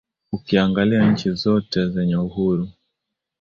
ukiangalia nchi zote zenye uhuru